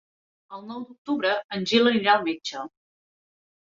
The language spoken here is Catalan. El nou d'octubre en Gil anirà al metge.